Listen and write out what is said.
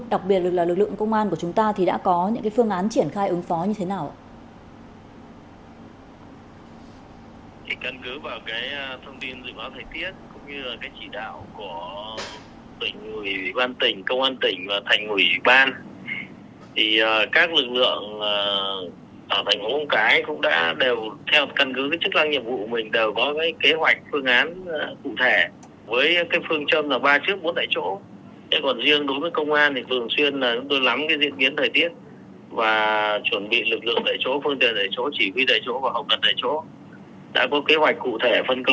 đặc biệt là các lực lượng cứu hộ cứu lạc phòng cháy khi cháy